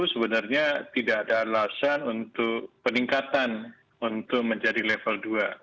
sebenarnya tidak ada alasan untuk peningkatan untuk menjadi level dua